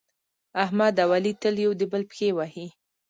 احمد او علي تل یو د بل پښې وهي.